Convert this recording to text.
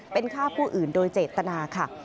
เป็นฆ่าผู้อื่นโดยเจตนาค่ะ